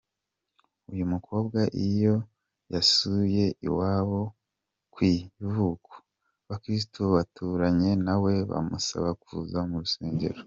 Uyu mukobwa iyo yasuye iwabo ku ivuko, abakristu baturanye nawe bamusaba kuza mu rusengero .